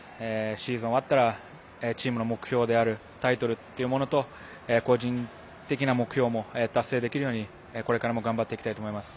シーズン終わったらチームの目標であるタイトルと個人的な目標も達成できるようにこれからも頑張っていきたいと思います。